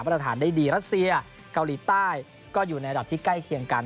ตรฐานได้ดีรัสเซียเกาหลีใต้ก็อยู่ในระดับที่ใกล้เคียงกัน